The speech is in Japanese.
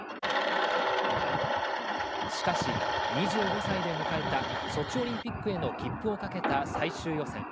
しかし２５歳で迎えたソチオリンピックへの切符をかけた最終予選。